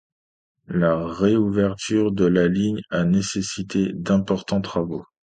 La réouverture de la ligne a nécessité d’importants travaux.